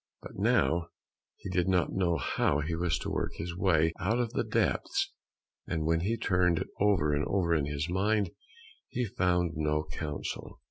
But now he did not know how he was to work his way out of the depths, and when he turned it over and over in his mind he found no counsel.